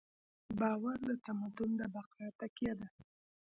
باور د تمدن د بقا تکیه ده.